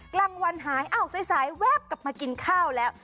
กลางวันหายอ้าวสายแวบกลับมากินข้าวแล้ว